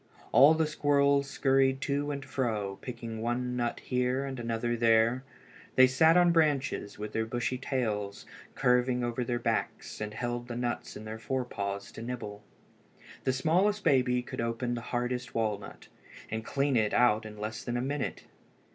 All the squirrels scurried to and fro, picking one nut here, and another there. They sat on the branches, with their bushy tails curving over their backs, and held the nuts in their fore paws to nibble. The smallest baby could open the hardest walnut, and clean it out in less than a minute.